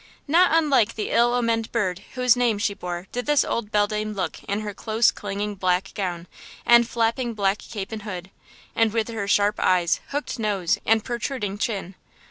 Not unlike the ill omened bird whose name she bore did this old beldame look in her close clinging black gown, and flapping black cape and hood, and with her sharp eyes, hooked nose and protruding chin.